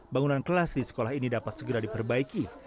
bangunan kelas di sekolah ini dapat segera diperbaiki